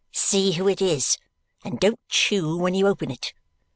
"See who it is, and don't chew when you open it!"